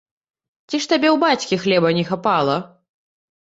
Ці ж табе ў бацькі хлеба не хапала!